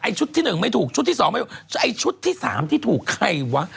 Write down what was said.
ชุดที่หนึ่งไม่ถูกชุดที่สองไม่ถูกไอ้ชุดที่สามที่ถูกใครวะ